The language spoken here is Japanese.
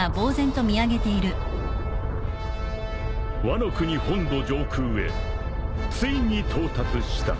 ［ワノ国本土上空へついに到達した］